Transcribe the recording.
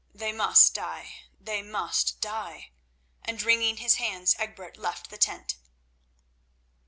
They must die! They must die!" and wringing his hands Egbert left the tent.